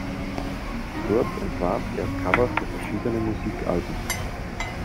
Dort entwarf er Cover für verschiedene Musikalben.